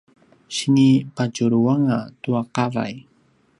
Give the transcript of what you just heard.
sinipadjuluanga tua qavay